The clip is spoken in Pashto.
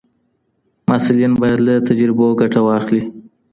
محصلین باید له تجربو ګټه واخلي.